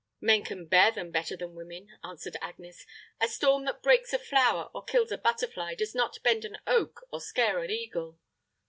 "Men can bear them better than women," answered Agnes. "A storm that breaks a flower or kills a butterfly, does not bend an oak or scare an eagle.